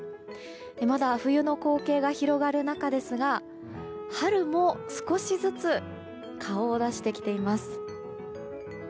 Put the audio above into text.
まだ冬の光景が広がる中ですが春も少しずつ顔を出してきています。